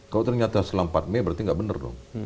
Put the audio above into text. kalau ternyata selama empat mei berarti tidak benar